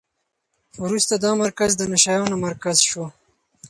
وروسته دا مرکز د نشه یانو مرکز شو.